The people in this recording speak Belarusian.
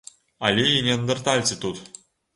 Але і неандэртальцы тут.